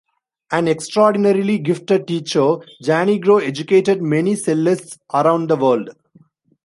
An extraordinarily gifted teacher, Janigro educated many cellists around the world.